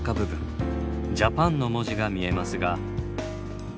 「ＪＡＰＡＮ」の文字が見えますが。